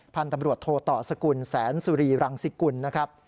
พันธุ์ตำรวจโทต่อสกุลแสนสุรีรังสิกุลนะครับ